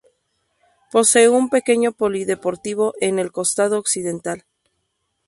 Posee un pequeño polideportivo en el costado occidental.